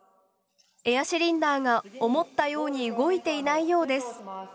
エアシリンダーが思ったように動いていないようです。